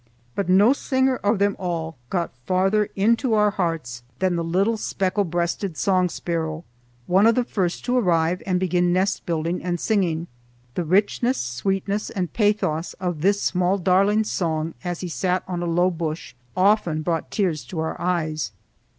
But no singer of them all got farther into our hearts than the little speckle breasted song sparrow, one of the first to arrive and begin nest building and singing. The richness, sweetness, and pathos of this small darling's song as he sat on a low bush often brought tears to our eyes.